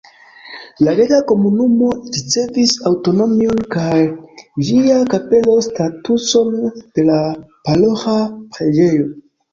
La greka komunumo ricevis aŭtonomion kaj ĝia kapelo statuson de la paroĥa preĝejo.